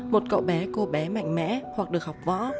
một cậu bé cô bé mạnh mẽ hoặc được học võ